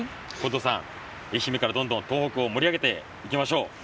近藤さん、愛媛からどんどん、東北を盛り上げていきましょう！